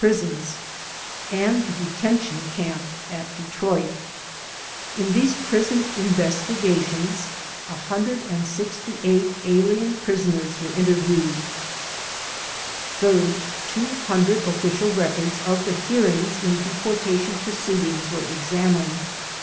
prisons and the detention camp at Detroit. In these prison investigations 168 alien prisoners were inter viewed. Third: 200 official records of the hearings in deportation proceedings were examined.